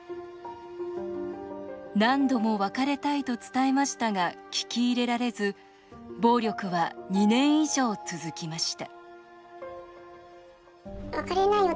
何度も別れたいと伝えましたが聞き入れられず暴力は２年以上続きました